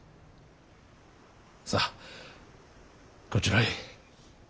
さあこちらへ。